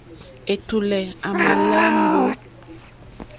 Ɛ̀tùlɛ̀ á mā lá mbǒ.